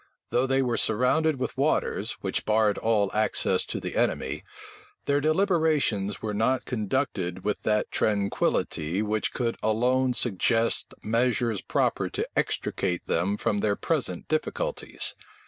Though they were surrounded with waters, which barred all access to the enemy, their deliberations were not conducted with that tranquillity which could alone suggest measures proper to extricate them from their present difficulties.